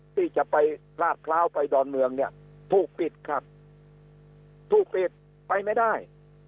ที่จะไปลาดพร้าวไปดอนเมืองเนี่ยถูกปิดครับถูกปิดไปไม่ได้